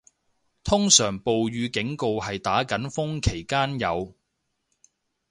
通常暴雨警告係打緊風期間有